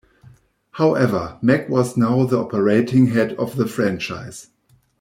However, Mack was now the operating head of the franchise.